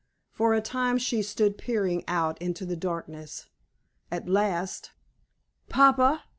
For a time she stood peering out into the darkness. At last: "Papa!"